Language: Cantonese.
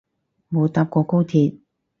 冇搭過高鐵